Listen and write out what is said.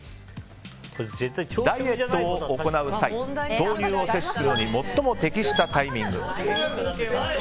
ダイエットを行う際豆乳を摂取するのに最も適したタイミング。